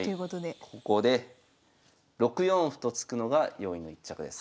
ここで６四歩と突くのが用意の一着です。